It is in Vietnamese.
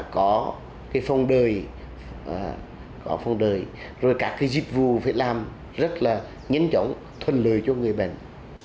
có cái phong đời rồi các cái dịch vụ phải làm rất là nhanh chóng thuận lợi cho người bệnh